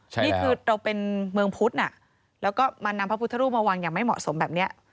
นี่คือเราเป็นเมืองพุทธน่ะแล้วก็มานำพระพุทธรูปมาวางอย่างไม่เหมาะสมแบบนี้